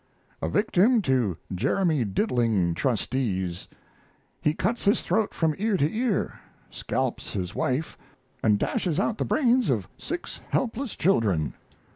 A Victim to Jeremy Diddling Trustees He Cuts his Throat from Ear to Ear, Scalps his Wife, and Dashes Out the Brains of Six Helpless Children!